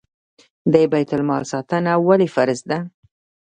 د بیت المال ساتنه ولې فرض ده؟